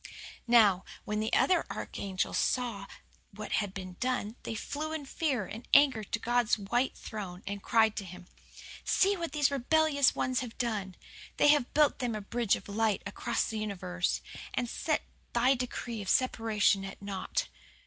"Now, when the other archangels saw what had been done they flew in fear and anger to God's white throne, and cried to Him, "'See what these rebellious ones have done! They have built them a bridge of light across the universe, and set Thy decree of separation at naught.